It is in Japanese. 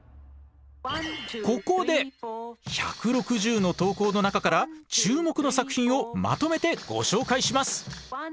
ここで１６０の投稿の中から注目の作品をまとめてご紹介します。